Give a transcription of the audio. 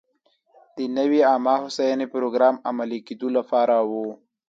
د نوې عامه هوساینې پروګرام عملي کېدو لپاره و.